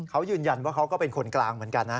เขายืนยันว่าเขาก็เป็นคนกลางเหมือนกันนะ